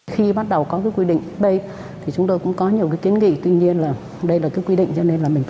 khi bắt đầu có quy định b chúng tôi cũng có nhiều kiến nghị tuy nhiên đây là quy định